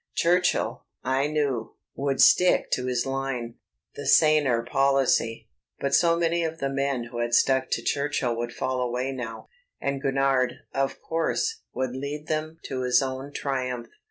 Churchill, I knew, would stick to his line, the saner policy. But so many of the men who had stuck to Churchill would fall away now, and Gurnard, of course, would lead them to his own triumph.